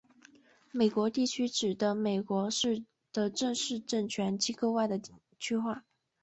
美国地区指的美国的正式政权机构外的区划。